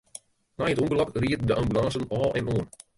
Nei it ûngelok rieden de ambulânsen ôf en oan.